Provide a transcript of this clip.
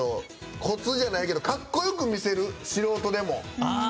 コツじゃないけどかっこよく見せる、素人でも。